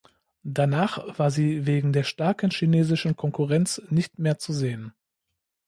Danach war sie wegen der starken chinesischen Konkurrenz nicht mehr zu sehen.